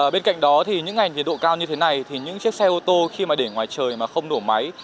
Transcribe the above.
bên cạnh đó thì những ngày nhiệt độ cao như thế này thì những chiếc xe ô tô khi mà để ngoài trời mà không đổ máy